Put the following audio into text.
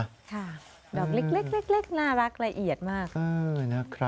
ดอกเล็กน่ารักละเอียดมาก